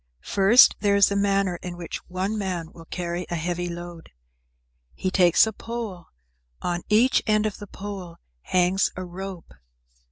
First, there is the manner in which one man will carry a heavy load. He takes a pole, on each end of the pole hangs a rope.